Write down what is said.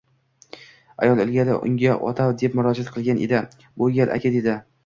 Ayol ilgari unga ota deb murojaat qilgan edi, bu gal aka dedi